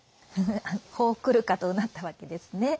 ホークルか！とうなったわけですね。